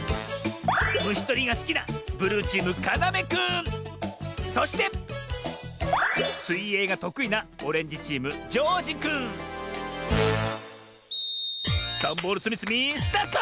むしとりがすきなそしてすいえいがとくいなダンボールつみつみスタート！